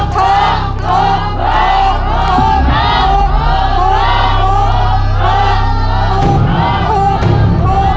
ถูก